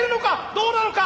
どうなのか。